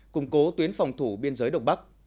củng cố tuyến phòng thủ biên giới đồng bắc